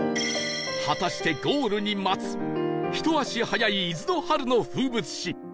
果たしてゴールに待つひと足早い伊豆の春の風物詩